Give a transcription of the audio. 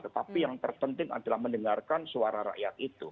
tetapi yang terpenting adalah mendengarkan suara rakyat itu